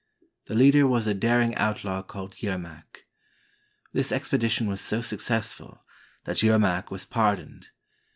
The leader was a daring outlaw called Yermak. This expedition was so successful that Yer mak was pardoned.